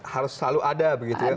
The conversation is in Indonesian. harus selalu ada begitu ya